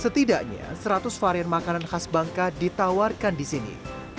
setidaknya seratus varian makanan khas bangka ditawarkan di sini